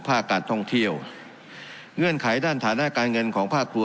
ภาคการท่องเที่ยวเงื่อนไขด้านฐานะการเงินของภาคครัว